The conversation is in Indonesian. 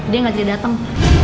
dia ga jadi dateng